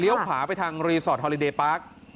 เลี้ยวผ่าไปทางรีสอร์ทฮอลิเดย์ปาร์ค